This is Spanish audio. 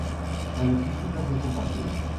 La logística fue compartida.